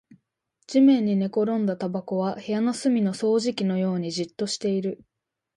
地面に寝転んだタバコは部屋の隅の掃除機のようにじっとしている